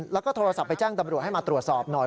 แล้วก็โทรศัพท์ไปแจ้งตำรวจให้มาตรวจสอบหน่อย